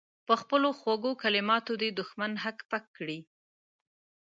په خپلو خوږو کلماتو دې دښمن هک پک کړي.